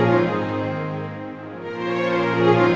apa yang kau bicarakan